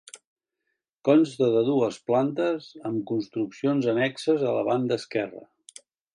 Consta de dues plantes amb construccions annexes a la banda esquerra.